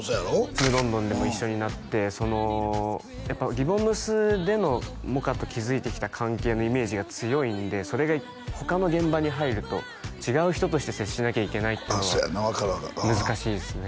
「ちむどんどん」でも一緒になってそのやっぱ「ぎぼむす」での萌歌と築いてきた関係のイメージが強いんでそれが他の現場に入ると違う人として接しなきゃいけないっていうのはせやな分かる分かる難しいですね